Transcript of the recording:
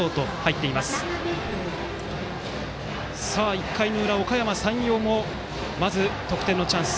１回の裏、おかやま山陽もまず、得点のチャンス。